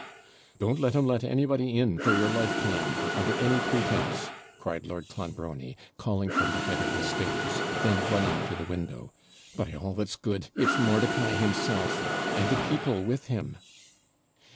'Don't let 'em let anybody in, for your life, Colambre; under any pretence,' cried Lord Clonbrony, calling from the head of the stairs; then running to the window, 'By all that's good, it's Mordicai himself! and the people with him.'